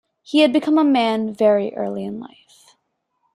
He had become a man very early in life.